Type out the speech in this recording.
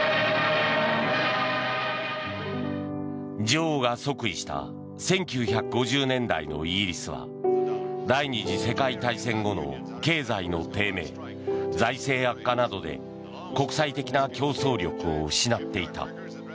女王が即位した１９５０年代のイギリスは第２次世界大戦後の経済の低迷財政悪化などで国際的な競争力を失っていた。